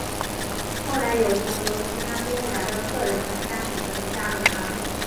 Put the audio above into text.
后来有从由其他州来的个人和家庭们加入他们。